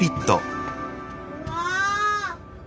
うわ。